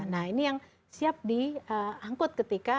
nah ini yang siap diangkut ketika